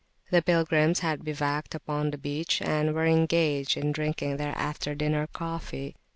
The pilgrims had bivouacked upon the beach, and were engaged in drinking their after dinner coffee.